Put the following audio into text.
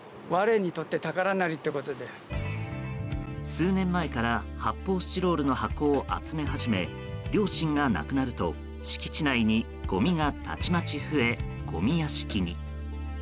数年前から発泡スチロールの箱を集め始め両親が亡くなると敷地内にごみがたちまち増えごみ屋敷に。